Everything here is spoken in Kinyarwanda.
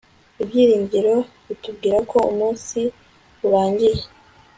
ibyiringiro bitubwira ko umunsi urangiye